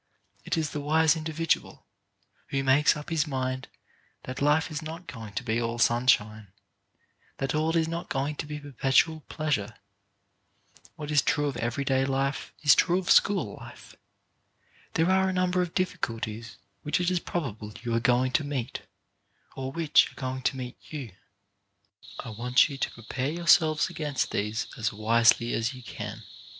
It is the wise individual who makes up his mind that life is not going to be all sunshine, that all is not going to be perpetual pleasure. What is true of everyday life is true of school life; there are a number of difficulties which it is probable you are going to meet or which are going to meet you 19 2o CHARACTER BUILDING during the coming school year, and which, if possible, I want you to prepare yourselves against as wisely as you can.